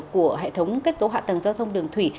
của hệ thống kết cấu hạ tầng giao thông đường thủy